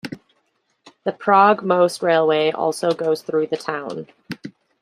The Prague - Most railway also goes through the town.